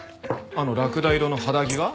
あのラクダ色の肌着が？